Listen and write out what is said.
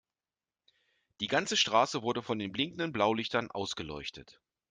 Die ganze Straße wurde von den blinkenden Blaulichtern ausgeleuchtet.